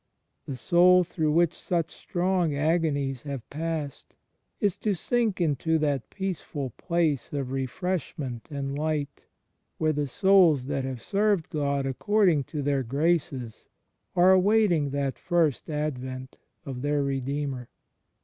The Soul through which such strong agonies have passed, is to sink into that peaceful place of refreshment and light where the souls that have served God according to their graces are awaiting that First Advent of their Redeemer.